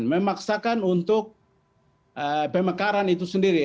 memaksakan untuk pemekaran itu sendiri